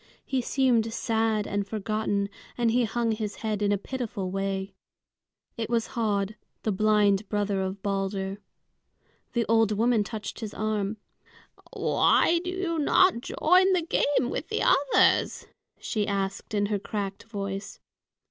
He seemed sad and forgotten, and he hung his head in a pitiful way. It was Höd, the blind brother of Balder. The old woman touched his arm. "Why do you not join the game with the others?" she asked, in her cracked voice.